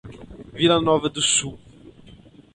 Vila Nova do Sul